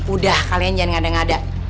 udah kalian jangan ngada ngada